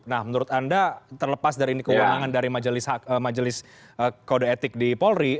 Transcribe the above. nah menurut anda terlepas dari ini kewenangan dari majelis kode etik di polri